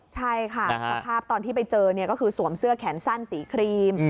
สภาพตอนที่ไปเจอเนี่ยก็คือสวมเสื้อแขนสั้นสีครีม